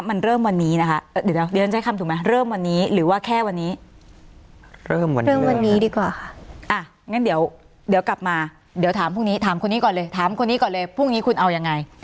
พรุ่งนี้ก่อนเลยพรุ่งนี้คุณเอายังไง